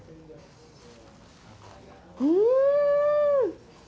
うん！